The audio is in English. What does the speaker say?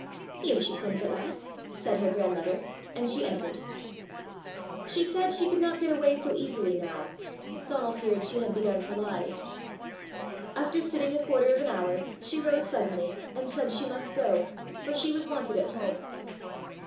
"Here she comes at last!" said her grandmother, and she entered. She said she could not get away so easily now. Donal feared she had begun to lie. After sitting a quarter of an hour, she rose suddenly, and said she must go, for she was wanted at home.